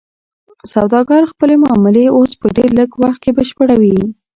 سوداګر خپلې معاملې اوس په ډیر لږ وخت کې بشپړوي.